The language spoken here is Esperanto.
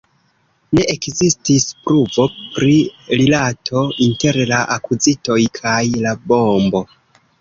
Ne ekzistis pruvo pri rilato inter la akuzitoj kaj la bombo.